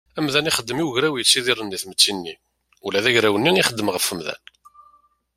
Amdan ixeddem i ugraw yettidiren deg tmett-nni, ula d agraw-nni ixeddem ɣef umdan.